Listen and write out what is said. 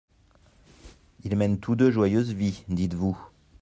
Ils mènent tous deux joyeuse vie, dites-vous.